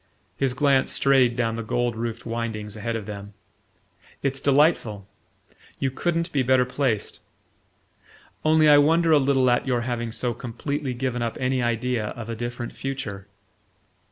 His glance strayed down the gold roofed windings ahead of them. "It's delightful: you couldn't be better placed. Only I wonder a little at your having so completely given up any idea of a different future."